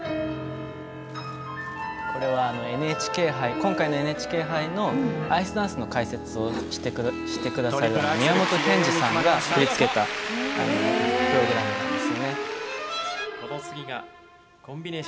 今回のＮＨＫ杯のアイスダンスの解説をしてくださった宮本賢二さんが振り付けたものです。